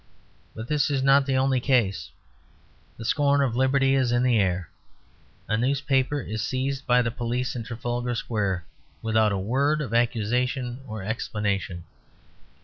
But this is not the only case. The scorn of liberty is in the air. A newspaper is seized by the police in Trafalgar Square without a word of accusation or explanation.